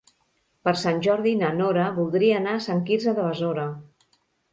Per Sant Jordi na Nora voldria anar a Sant Quirze de Besora.